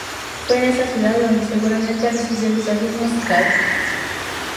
Fue en esta ciudad donde seguramente recibió educación musical.